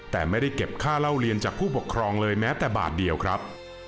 แต่ไม่ได้เก็บค่าเล่าเรียนจากผู้ปกครองเลยแม้แต่บาทเดียวครับ